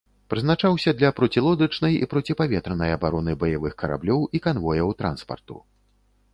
Прызначаўся для процілодачнай і проціпаветранай абароны баявых караблёў і канвояў транспарту.